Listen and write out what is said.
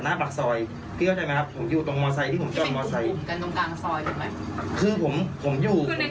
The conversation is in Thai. ว่าพกเถียงกันสองคนก่อนคือมันเห็นตอนที่วันรุ่นเข้าไปเลย